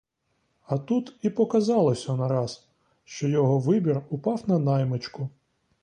А тут і показалося нараз, що його вибір упав на наймичку!